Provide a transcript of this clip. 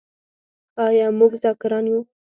آیا موږ ذاکران یو؟